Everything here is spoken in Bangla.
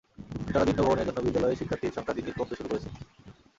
জরাজীর্ণ ভবনের জন্য বিদ্যালয়ের শিক্ষার্থীর সংখ্যা দিন দিন কমতে শুরু করেছে।